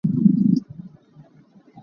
Amah cu zeizong ah a hmasa bik lengmang a si.